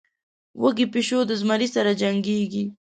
وږى پيشو د زمري سره جنکېږي.